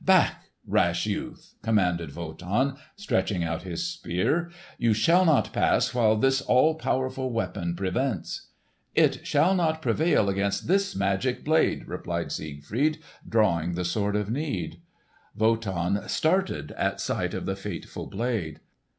"Back, rash youth!" commanded Wotan, stretching out his Spear. "You shall not pass while this all powerful weapon prevents!" "It shall not avail against this magic blade!" replied Siegfried, drawing the Sword of Need. Wotan started at sight of the fateful blade.